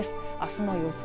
あすの予想